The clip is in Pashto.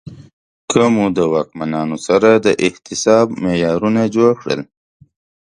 که مو د واکمنانو سره د احتساب معیارونه جوړ کړل